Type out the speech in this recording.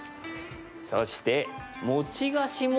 そして、餅菓子も。